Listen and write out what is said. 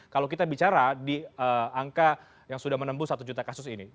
kalau kita bicara di angka yang sudah menembus satu juta kasus ini